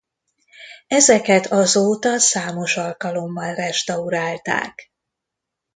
Ezeket azóta számos alkalommal restaurálták.